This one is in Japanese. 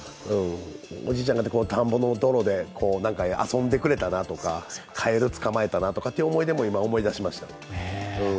おじいちゃんが田んぼの泥で遊んでくれたなとかカエル捕まえたなという思い出も今思い出しました。